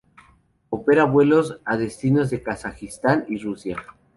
Opera vuelos a destinos de Kazajistán y Rusia.